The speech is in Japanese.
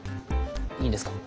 いいんですか？